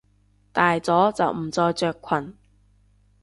大咗就唔再着裙！